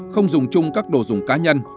không dùng chung các đồ dùng cá nhân